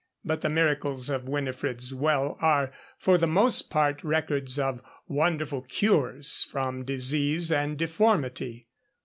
But the miracles of Winifred's well are for the most part records of wonderful cures from disease and deformity.